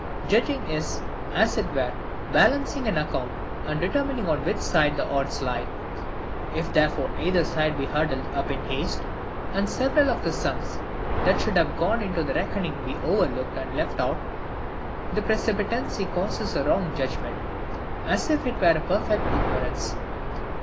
Judging is, as it were, balancing an account, and determining on which side the odds lie. If therefore either side be huddled up in haste, and several of the sums that should have gone into the reckoning be overlooked and left out, this precipitancy causes as wrong a judgment as if it were a perfect ignorance.